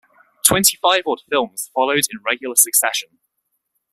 Twenty five odd films followed in regular succession.